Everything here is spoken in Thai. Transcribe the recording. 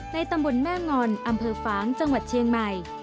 ตำบลแม่งอนอำเภอฟางจังหวัดเชียงใหม่